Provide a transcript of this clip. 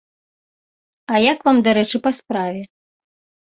А я к вам дарэчы па справе.